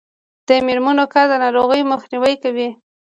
د میرمنو کار د ناروغیو مخنیوی کوي.